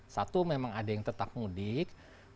satu memang ada yang tetap mudik